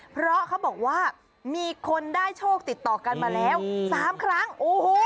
เพราะเขาบอกว่ามีคนได้โชคติดต่อกันมาแล้วสามครั้งโอ้โห